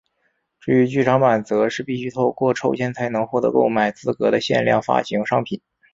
至于剧场版则是必须透过抽签才能获得购买资格的限量发行商品。